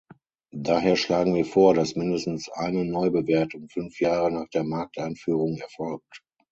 Daher schlagen wir vor, dass mindestens eine Neubewertung fünf Jahre nach der Markteinführung erfolgt.